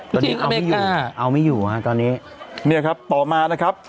เมริกาเอาไม่อยู่เอาไม่อยู่น่ะตอนนี้มีครับต่อมานะครับ